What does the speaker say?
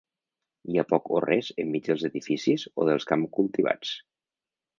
Hi ha poc o res enmig dels edificis o dels camps cultivats.